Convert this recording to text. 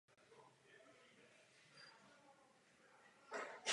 Budova fary stojí v bývalé farní zahradě na návsi severovýchodně od kostela.